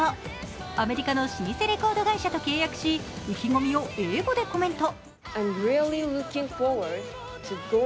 アメリカの老舗レコード会社と契約し、意気込みを英語でコメント。